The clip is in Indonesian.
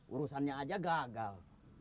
urusannya aja gagal